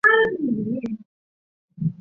官至都察院右都御史。